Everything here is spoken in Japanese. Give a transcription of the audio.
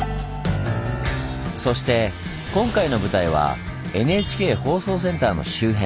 そして今回の舞台はＮＨＫ放送センターの周辺。